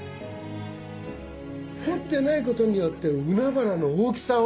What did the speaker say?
彫ってないことによって海原の大きさを。